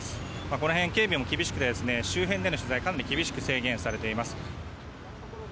この辺、警備も厳しくて周辺での取材がかなり厳しく制限されています。